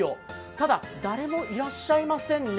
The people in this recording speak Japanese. ただ、誰もいらっしゃいませんね。